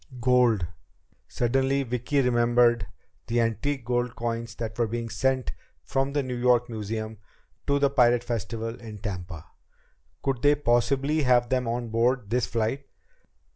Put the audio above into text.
Gold! Suddenly Vicki remembered the antique gold coins that were being sent from the New York museum to the Pirate Festival in Tampa. Could they possibly have them on board this flight?